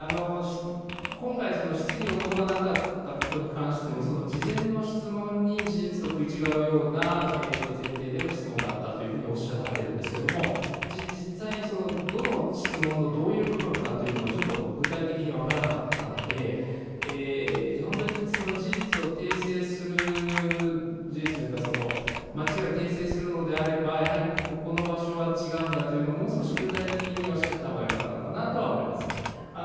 今回質疑応答がなかったことに関しても、事前の質問に事実と食い違うような前提のような質問があったとおっしゃっているんですけれども実際にどの質問のどういう部分かというのがちょっと具体的に分からなかったので間違いを訂正するのであればやはりここの場所は違うんだというのをもう少し具体的におっしゃった方がよかったのかなと思います。